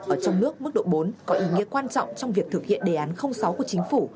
ở trong nước mức độ bốn có ý nghĩa quan trọng trong việc thực hiện đề án sáu của chính phủ